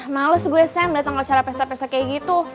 males gue sm datang ke acara pesta pesa kayak gitu